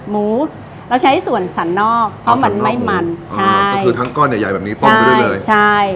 หมูเราใช้ส่วนสันนอกเพราะมันไม่มันใช่ก็คือทั้งก้อนใหญ่ใหญ่แบบนี้ต้มไปด้วยเลยใช่